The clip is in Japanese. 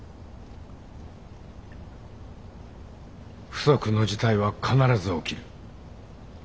不測の事態は必ず起きる。